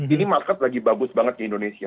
ini market lagi bagus banget di indonesia